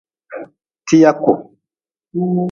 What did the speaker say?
Tiyaku.